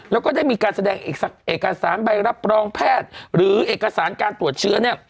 แล้วก็ได้มีการแสดงเอกสารใบรับรองแพทย์หรือเอกสารการตรวจเชื้อเนี่ย